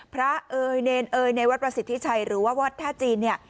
พระเอนเอนในวัดประสิทธิชัยหรือวัดท่าจีน